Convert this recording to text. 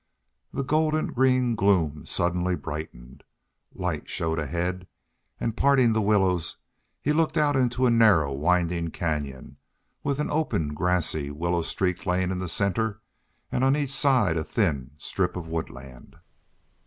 The golden green gloom suddenly brightened. Light showed ahead, and parting the willows, he looked out into a narrow, winding canyon, with an open, grassy, willow streaked lane in the center and on each side a thin strip of woodland.